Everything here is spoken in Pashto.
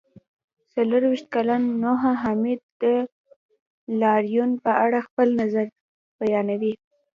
څلرویشت کلن نوحه حامد د لاریون په اړه خپل نظر بیانوي.